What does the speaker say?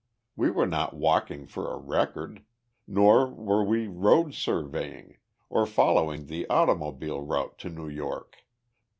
We were not walking for a record, nor were we road surveying, or following the automobile route to New York.